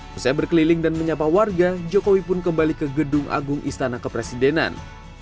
setelah berkeliling dan menyapa warga jokowi pun kembali ke gedung agung istana kepresidenan